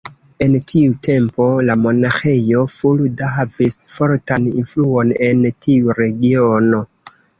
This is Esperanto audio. En tiu tempo la monaĥejo Fulda havis fortan influon en tiu regiono.